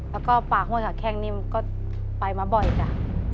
แล้วก็ปากห้วยสาแข้งนี่ก็ไปมาบ่อยจ้ะ